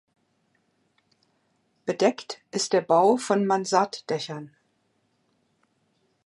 Bedeckt ist der Bau von Mansarddächern.